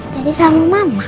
tadi sama mama